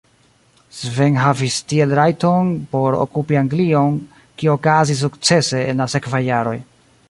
Sven havis tiel rajton por okupi Anglion, kio okazis sukcese en la sekvaj jaroj.